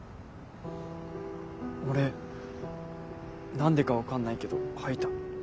俺何でか分かんないけど吐いた。